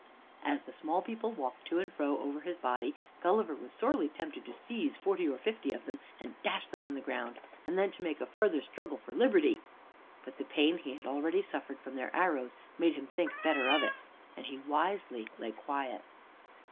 As the small people walked to and fro over his body, Gulliver was sorely tempted to seize forty or fifty of them and dash them on the ground, and then to make a further struggle for liberty. But the pain he had already suffered from their arrows made him think better of it, and he wisely lay quiet.